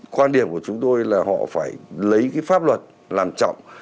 quan điểm của chúng tôi là họ phải lấy cái pháp luật làm trọng